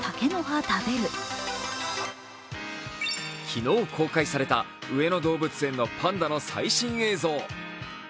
昨日公開された上野動物園のパンダの最新映像。